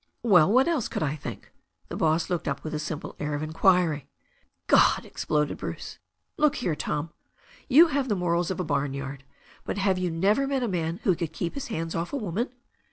"Well, what else could I think?" The boss looked up with a simple air of inquiry. "God!" exploded Bruce. "Look here, Tom. You have the morals of a barnyard 1 But have you never met a man who could keep his hands off a woman?"